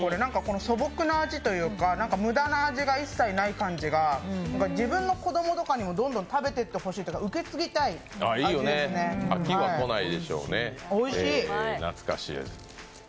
素朴な味というか無駄な味が一切ない感じが自分の子供とかにどんどん食べてってほしいというか受け継ぎたい味ですね。